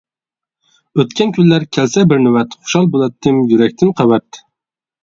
ئۆتكەن كۈنلەر كەلسە بىر نۆۋەت، خۇشال بۇلاتتىم يۈرەكتىن قەۋەت.